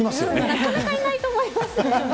なかなかいないと思いますね。